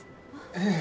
ええ。